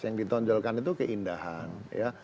yang ditonjolkan itu keindahan ya